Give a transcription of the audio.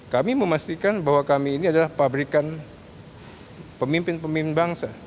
kami memastikan bahwa kami ini adalah pabrikan pemimpin pemimpin bangsa